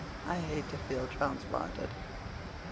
I hate to feel transplanted."